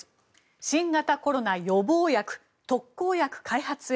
新型コロナ予防薬・特効薬開発へ。